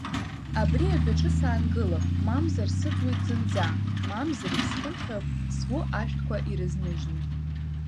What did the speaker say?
Абри адәаҿы саангылап, мамзар сыӡуеит зынӡа, мамзаргь, схынҳәып, сгәы ашәҭқәа ирызныжьны…